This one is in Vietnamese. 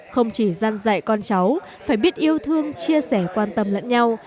không chỉ gian dạy con cháu phải biết yêu thương chia sẻ quan tâm lẫn nhau